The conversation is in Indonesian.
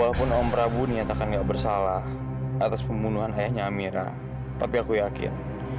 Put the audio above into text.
walaupun om prabu dinyatakan gak bersalah atas pembunuhan ayahnya amira tapi aku yakin